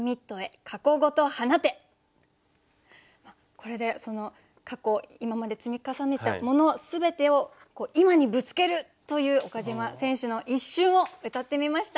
これで過去今まで積み重ねたもの全てを今にぶつけるという岡島選手の一瞬をうたってみました。